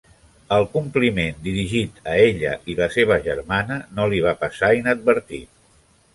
El compliment dirigit a ella i la seva germana no li va passar inadvertit.